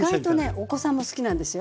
お子さんも好きなんですよ。